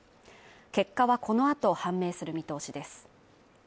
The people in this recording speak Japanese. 結果はこの後判明する見通しです。